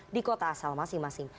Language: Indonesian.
di kota asal masing masing